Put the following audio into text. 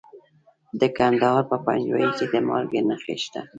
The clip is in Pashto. د کندهار په پنجوايي کې د مالګې نښې شته.